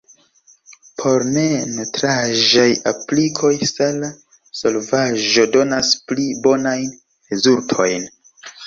Por ne-nutraĵaj aplikoj sala solvaĵo donas pli bonajn rezultojn.